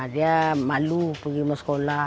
dia malu pergi sekolah